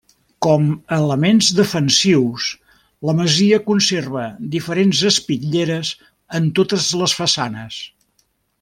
Com a elements defensius, la masia conserva diferents espitlleres en totes les façanes.